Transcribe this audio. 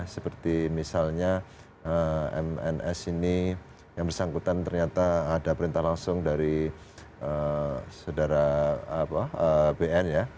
seperti misalnya mns ini yang bersangkutan ternyata ada perintah langsung dari saudara bn ya